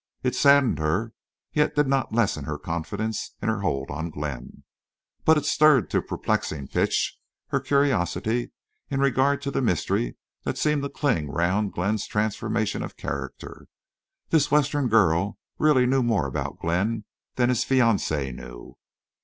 It saddened her, yet did not lessen her confidence in her hold on Glenn. But it stirred to perplexing pitch her curiosity in regard to the mystery that seemed to cling round Glenn's transformation of character. This Western girl really knew more about Glenn than his fiancée knew.